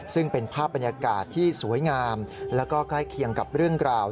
ซึ่งเป็นภาพบรรยากาศที่สวยงามแล้วก็ใกล้เคียงกับเรื่องกล่าว